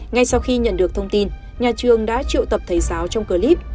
ngay sau khi nhận được thông tin nhà trường đã triệu tập thầy giáo trong clip